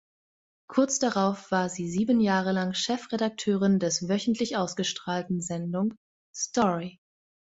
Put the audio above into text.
Kurz darauf war sie sieben Jahre lang Chefredakteurin des wöchentlich ausgestrahlten Sendung "Story".